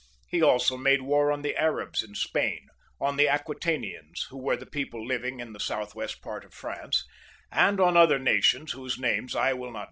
He also made war on the Arabs in Spain, on the Aquitanians, who were the people living in the south west part of Prance, and on other nations whose names I will not 38 CHARLEMAGNE.